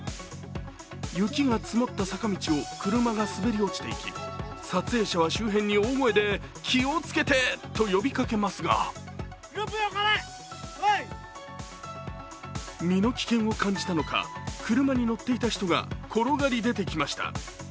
雪が積もった坂道を車が滑り落ちていき、撮影者は周辺に大声で「気を付けて」と呼びかけますが身の危険を感じたのか、車に乗っていた人が転がり出てきました。